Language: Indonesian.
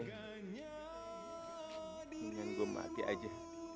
kemudian gue mati aja